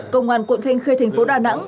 công an quận thanh khê thành phố đà nẵng